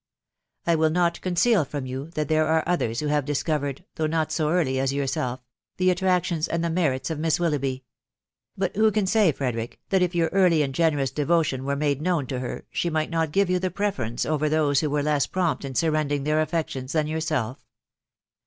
I will not conceal from you that there are others who have discovered (though not so early as yourself) the attractions and the merits of Miss Willoughby ; but who can say, Frederick, that if your early and generous devotion were made known to her, she might not give you the preference over those who were less prompt in surrendering their affections than yourself